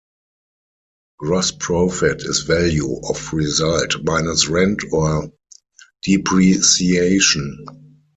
Gross profit is value of result minus rent or depreciation.